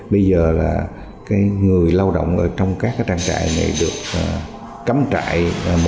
bây giờ là người lao động trong các trang trại này được cấm trại một trăm linh